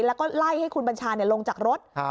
แล้วก็ไล่ให้คุณบัญชาลงจากรถ